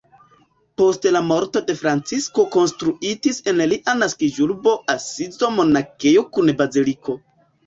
Post la morto de Francisko konstruitis en lia naskiĝurbo Asizo monakejo kun baziliko.